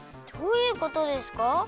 どういうことですか？